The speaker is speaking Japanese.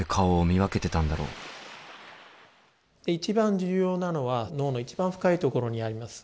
一番重要なのは脳の一番深いところにあります